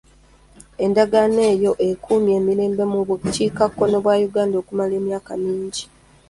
Endagaano eyo ekuumye emirembe mu bukiikakkono bwa Uganda okumala emyaka mingi.